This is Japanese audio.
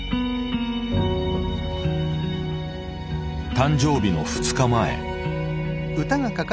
誕生日の２日前。